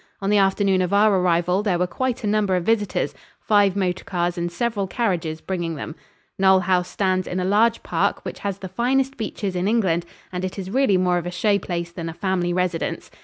On the afternoon of our arrival there were quite a number of visitors, five motor cars and several carriages bringing them. Knole House stands in a large park, which has the finest beeches in England, and it is really more of a show place than a family residence.